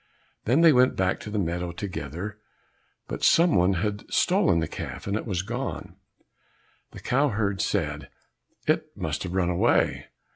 Then they went back to the meadow together, but some one had stolen the calf, and it was gone. The cow herd said, "It must have run away."